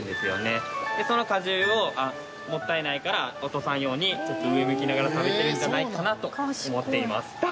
その果汁をもったいないから落とさんようにちょっと上向きながら食べてるんじゃないかなと思っています。